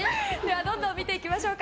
どんどん見ていきましょう。